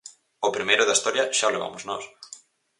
O primeiro da historia xa o levamos nós.